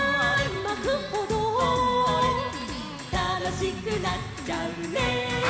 「たのしくなっちゃうね」